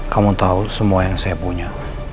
kamu tahu semua yang saya punya